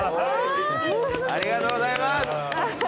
ありがとうございます。